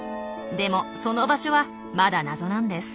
でもその場所はまだ謎なんです。